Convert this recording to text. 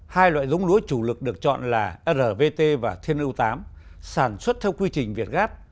hai loại giống lúa chủ lực được chọn là rvt và thiên ưu tám sản xuất theo quy trình việt gáp